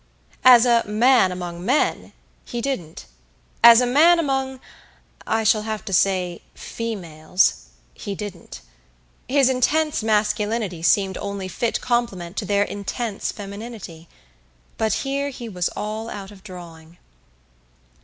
As "a man among men," he didn't; as a man among I shall have to say, "females," he didn't; his intense masculinity seemed only fit complement to their intense femininity. But here he was all out of drawing.